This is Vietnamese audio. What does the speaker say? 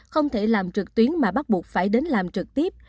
không thể làm trực tuyến mà bắt buộc phải đến làm trực tiếp